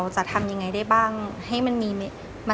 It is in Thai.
เราจะทำยังไงได้บ้างให้มันมีมัธสมันไก่เข้ามา